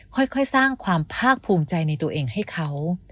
ค่อยสร้างความภาคภูมิใจในตัวเองให้เขา